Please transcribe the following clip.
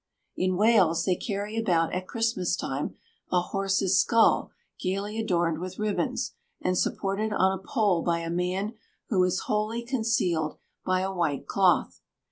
In Wales, they carry about at Christmas time a horse's skull gaily adorned with ribbons, and supported on a pole by a man who is wholly concealed by a white cloth.